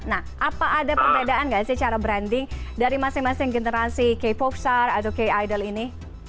nah apa ada perbedaan nggak sih cara branding dari masing masing generasi k pop star atau k idol ini